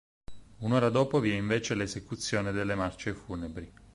Un'ora dopo vi è invece l'esecuzione delle marce funebri.